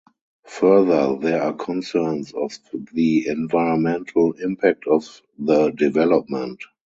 Further there are concerns of the environmental impact of the development.